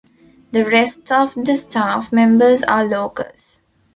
The rest of the staff members are locals.